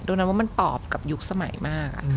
โดนันว่ามันตอบกับยุคสมัยมาก